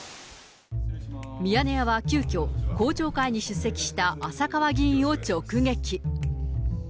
ミヤネ屋は急きょ、公聴会に出席した浅川議員を直撃。